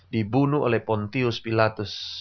dibunuh oleh pontius pilatus